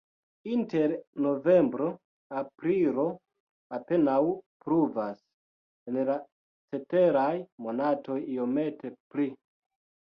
Inter novembro-aprilo apenaŭ pluvas, en la ceteraj monatoj iomete pli.